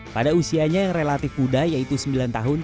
pada usianya yang relatif muda yaitu sembilan tahun